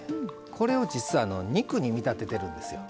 これをじつは肉に見立ててるんですよ。